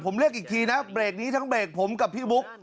ผมเรียกอีกทีนะเบรกนี้ทั้งเบรกผมกับพี่บุ๊ก